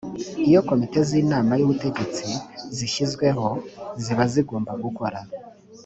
iyo komite z’inama y’ubutegetsi zishyizweho ziba zigomba gukora